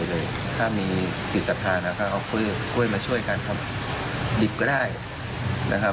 แต่ถ้าไม่สะดวกหาควดหาอะไรเนี่ยก็บริจาคเป็นเงินได้นะครับ